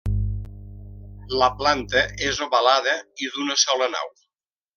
La planta és ovalada i d'una sola nau.